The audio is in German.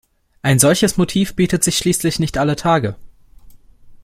Ein solches Motiv bietet sich schließlich nicht alle Tage.